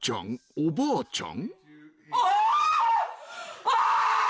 おばあちゃん